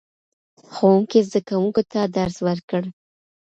ښوونکی زده کوونکو ته درس ورکړ